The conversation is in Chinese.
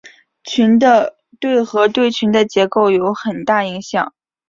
群的对合对群的结构有很大影响。